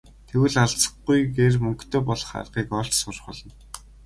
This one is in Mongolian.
Тэгвэл алзахгүйгээр мөнгөтэй болох аргыг олж сурах болно.